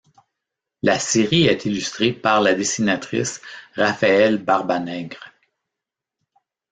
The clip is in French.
La série est illustrée par la dessinatrice Raphaëlle Barbanègre.